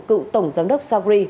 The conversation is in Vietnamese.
cựu tổng giám đốc sacri